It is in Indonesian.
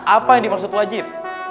apa yang dimaksud wajib